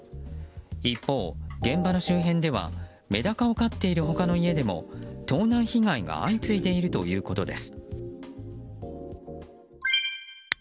一方、現場の周辺ではメダカを飼っている他の家でも盗難被害が相次いでいるということです。